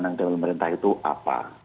yang di dalam pemerintah itu apa